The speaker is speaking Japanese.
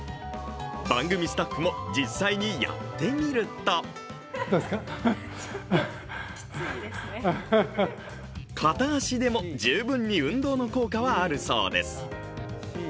番組スタッフも実際にやってみると片足でも十分に運動の効果はあるそうです。